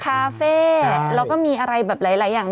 คาเฟ่แล้วก็มีอะไรอะไรอย่าง